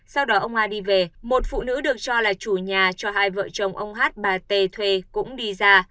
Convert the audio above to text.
sau đó ông a đi về một phụ nữ được cho là chủ nhà cho hai vợ chồng ông hát bà t thuê cũng đi ra